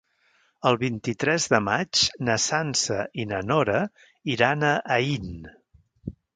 El vint-i-tres de maig na Sança i na Nora iran a Aín.